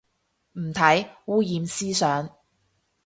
唔睇，污染思想